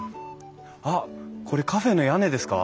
あっこれカフェの屋根ですか？